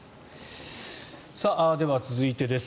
では、続いてです。